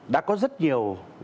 đã có rất nhiều